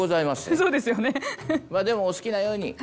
まあでもお好きなように。